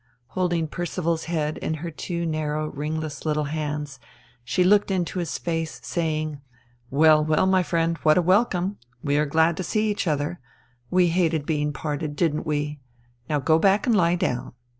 Holding Percival's head in her two narrow, ringless little hands, she looked into his face, saying, "Well, well, my friend. What a welcome! We are glad to see each other we hated being parted, didn't we? Now go back and lie down."